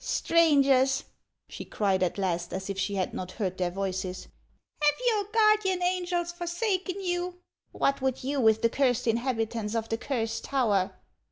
" Strangers," she cried at last, as if she had not heard their voices, " have your guardian angels forsaken you ? What would you with the cursed inhabitants of the Cursed Tower?